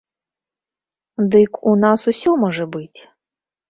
Дык у нас усё можа быць!